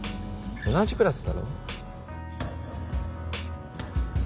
同じクラスだろ